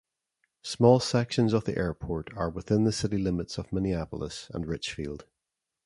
Small sections of the airport are within the city limits of Minneapolis and Richfield.